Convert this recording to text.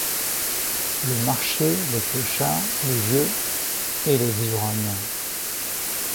Le marché, les clochards, les vieux... et les ivrognes.